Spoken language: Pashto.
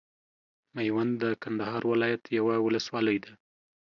ميوند د کندهار ولايت یوه ولسوالۍ ده.